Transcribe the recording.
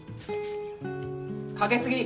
かけすぎ！